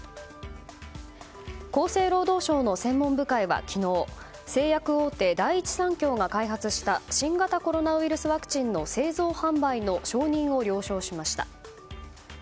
厚生労働省の専門部会は昨日製薬大手・第一三共が開発した新型コロナウイルスワクチンの製造・販売の承認を了承しました。